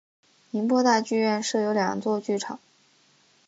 宁波大剧院设有两座剧场。